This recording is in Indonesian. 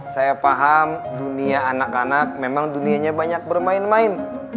saya paham dunia anak anak memang dunianya banyak bermain main